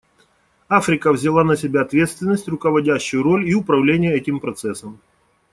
Африка взяла на себя ответственность, руководящую роль и управление этим процессом.